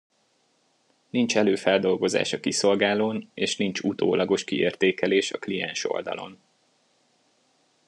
Nincs előfeldolgozás a kiszolgálón és nincs utólagos kiértékelés a kliensoldalon.